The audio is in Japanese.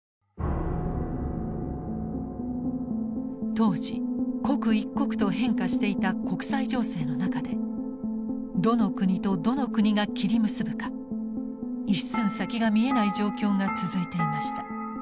当時刻一刻と変化していた国際情勢の中でどの国とどの国が切り結ぶか一寸先が見えない状況が続いていました。